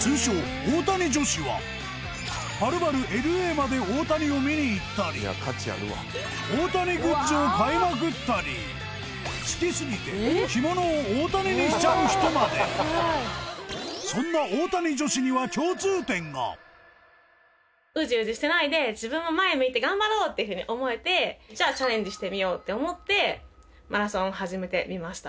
通称はるばるＬＡまで大谷を見に行ったり大谷グッズを買いまくったり好きすぎて着物を大谷にしちゃう人までそんなウジウジしてないでってふうに思えてじゃチャレンジしてみようって思ってマラソン始めてみました